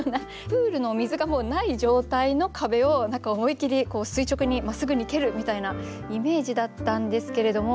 プールの水がもうない状態の壁を何か思い切り垂直にまっすぐに蹴るみたいなイメージだったんですけれども。